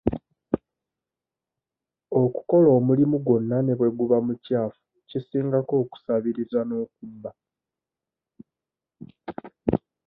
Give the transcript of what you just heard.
Okukola omulimu gwonna ne bwe guba mukyafu kisingako okusabiriza n'okubba.